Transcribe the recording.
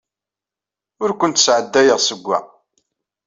Ur kent-sɛeddayeɣ seg-a.